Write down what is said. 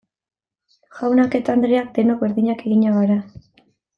Jaunak eta andreak denok berdinak eginak gara.